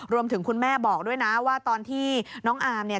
คุณแม่บอกด้วยนะว่าตอนที่น้องอามเนี่ย